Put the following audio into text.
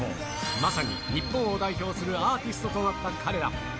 まさに日本を代表するアーティストとなった彼ら。